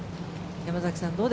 山崎さん